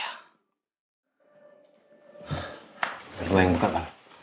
kita dua yang buka bang